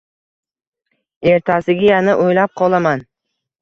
Ertasiga yana o`ylab qolaman